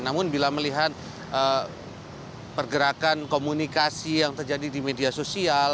namun bila melihat pergerakan komunikasi yang terjadi di media sosial